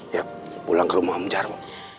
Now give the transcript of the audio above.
ya pulang ke rumah om jarwo